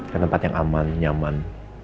dan tempat yang aman nyaman